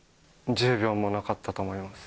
１０秒もなかったと思います。